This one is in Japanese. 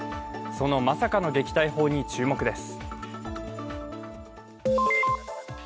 そのまさかの撃退法に注目です。